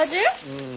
うん。